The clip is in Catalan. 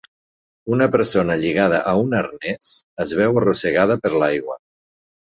Una persona lligada a un arnès es veu arrossegada per l'aigua.